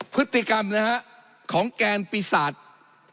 พฤติกรรมของแกนปีศาจ